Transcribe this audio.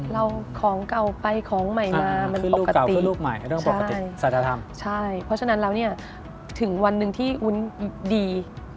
เราของเก่าไปของใหม่มามันปกติใช่เพราะฉะนั้นเราถึงวันหนึ่งที่วุ้นดี